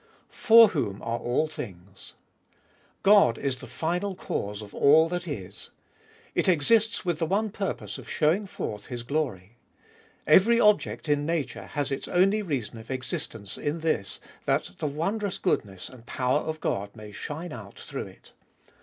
For whom are all things. God is the final Cause of all that is. It exists with the one purpose of showing forth His glory. Every object in nature has its only reason of existence in this that the wondrous goodness and power of God may shine out through it.